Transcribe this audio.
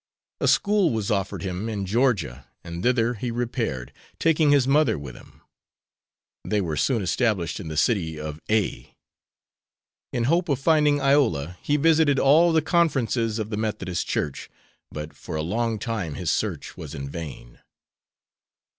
A school was offered him in Georgia, and thither he repaired, taking his mother with him. They were soon established in the city of A . In hope of finding Iola he visited all the conferences of the Methodist Church, but for a long time his search was in vain.